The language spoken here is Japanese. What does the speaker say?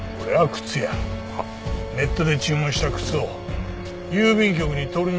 ネットで注文した靴を郵便局に取りに行っただけや。